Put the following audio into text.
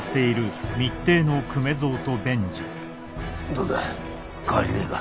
どうだ変わりねえか？